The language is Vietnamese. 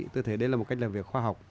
tôi thấy đây là một cách làm việc khoa học